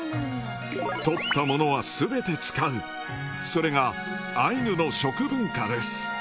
とったものはすべて使うそれがアイヌの食文化です。